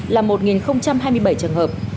là một hai mươi bảy trường hợp